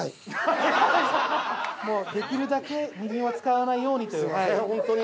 できるだけみりんは使わないようにというホントに。